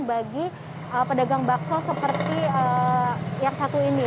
bagi pedagang bakso seperti yang satu ini